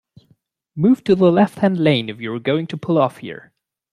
Move to the left-hand lane if you're going to pull off here